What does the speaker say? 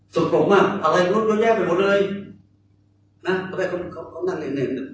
สุขปลงมากอะไรดูโยแยะไปหมดเลย